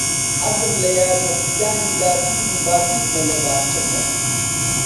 حەزم لە یارمەتیدانی داپیر و باپیرمە لە باخچەکە.